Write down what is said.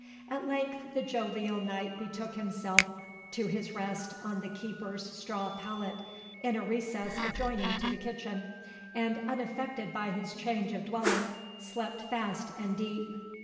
At length the jovial knight betook himself to his rest on the keeper's straw pallet, in a recess adjoining to the kitchen, and, unaffected by his change of dwelling, slept fast and deep.